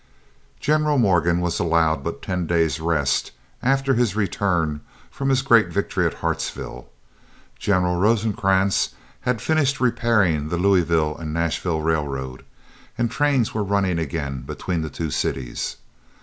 General Morgan was allowed but ten days' rest after his return from his great victory at Hartsville. General Rosecrans had finished repairing the Louisville and Nashville Railroad, and trains were running again between the two cities.